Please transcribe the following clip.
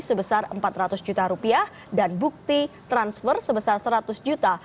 sebesar empat ratus juta rupiah dan bukti transfer sebesar seratus juta